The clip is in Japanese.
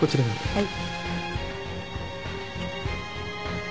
はい。